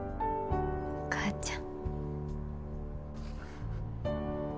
お母ちゃん。